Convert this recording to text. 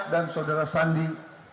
dan saudara sandi